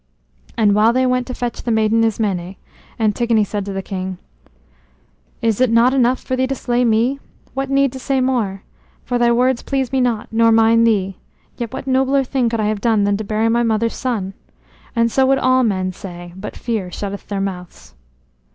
And while they went to fetch the maiden Ismené, Antigone said to the king: "Is it not enough for thee to slay me? What need to say more? For thy words please me not, nor mine thee. Yet what nobler thing could I have done than to bury my mother's son? And so would all men say, but fear shutteth their mouths."